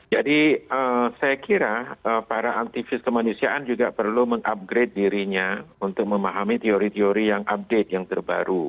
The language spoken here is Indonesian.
jadi saya kira para aktivis kemanusiaan juga perlu mengupgrade dirinya untuk memahami teori teori yang update yang terbaru